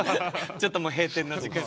ちょっともう閉店の時間が。